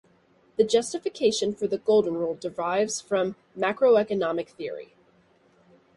The justification for the Golden Rule derives from macroeconomic theory.